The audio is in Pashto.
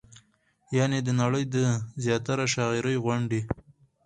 يعنې د نړۍ د زياتره شاعرۍ غوندې